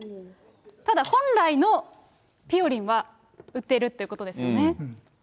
ただ本来のぴよりんは売っているということですよね。